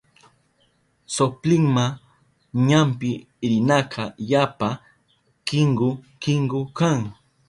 Soplinma ñampi rinaka yapa kinku kinku kan.